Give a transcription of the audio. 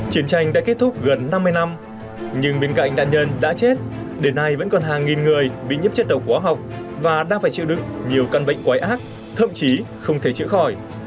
chiến tranh đã kết thúc gần năm mươi năm nhưng bên cạnh nạn nhân đã chết đến nay vẫn còn hàng nghìn người bị nhiễm chất độc hóa học và đang phải chịu đựng nhiều căn bệnh quái ác thậm chí không thể chữa khỏi